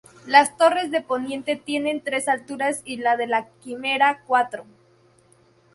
Las torres de poniente tienen tres alturas y la de la Quimera, cuatro.